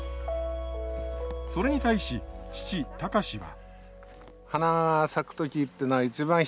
それに対し父峯は。